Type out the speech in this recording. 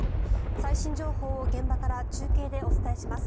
最新情報を現場から中継でお伝えします。